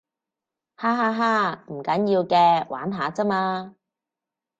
哈哈哈，唔緊要嘅，玩下咋嘛